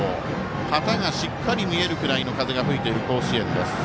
旗がしっかり見えるくらいの風が吹いている甲子園です。